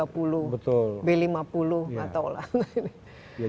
pemerintah kan sekarang mau b dua puluh b tiga puluh b lima puluh nggak tahulah